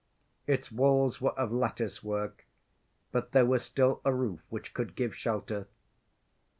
Its walls were of lattice‐work, but there was still a roof which could give shelter.